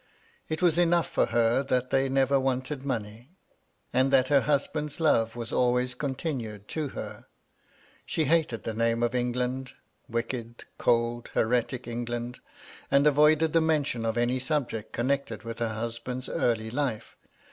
It was enough for her that they never wanted money, and that her husband's love was always continued to her. She hated the name of England — wicked, cold, heretic England — and avoided the mention of any subjects connected with her husband's early life.